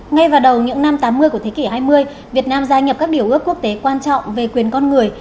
ngay vào đầu những năm tám mươi của thế kỷ hai mươi việt nam gia nhập các điều ước quốc tế quan trọng về quyền con người